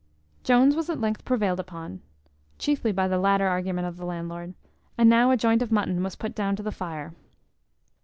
Jones was at length prevailed on, chiefly by the latter argument of the landlord; and now a joint of mutton was put down to the fire.